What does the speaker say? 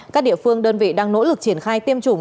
các địa phương đơn vị đang nỗ lực triển khai tiêm chủng